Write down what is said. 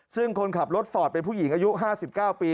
ซึ่งคนขับรถฟอร์ดเป็นผู้หญิงอายุ๕๙ปี